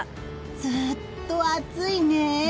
ずーっと暑いね。